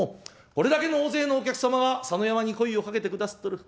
これだけの大勢のお客様が佐野山に声をかけてくだすっとる。